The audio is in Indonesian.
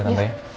jalan dulu ya